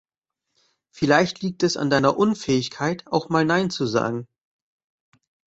Vielleicht liegt es an deiner Unfähigkeit, auch mal nein zu sagen.